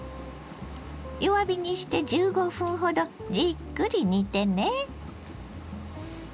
弱火にして１５分ほどじっくり煮てね。